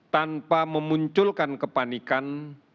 tanpa memunculkan kepanikan